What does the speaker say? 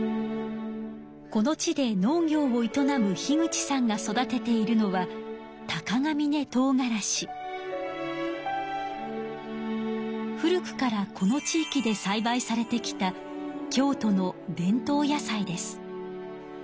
この地で農業を営む口さんが育てているのは古くからこの地いきでさいばいされてきた京都の伝統野菜です。